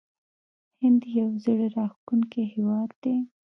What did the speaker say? هند یو زړه راښکونکی هیواد دی.